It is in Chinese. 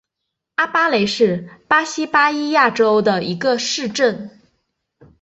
阿巴雷是巴西巴伊亚州的一个市镇。